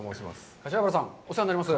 柏原さん、お世話になります。